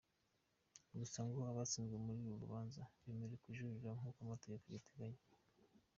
Gusa ngo abatsinzwe muri uru rubanza bemerewe kujurira nk’uko amategeko abiteganya.